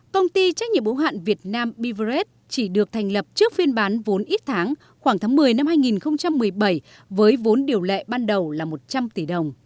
công ty trách nhiệm ủng hạn việt nam bivret chỉ được thành lập trước phiên bán vốn ít tháng khoảng tháng một mươi năm hai nghìn một mươi bảy với vốn điều lệ ban đầu là một trăm linh tỷ đồng